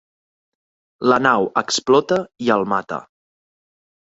La nau explota i el mata.